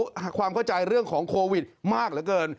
ความเข้าใจเรื่องของโควิดมากเหลือเกิน